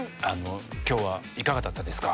今日はいかがだったですか？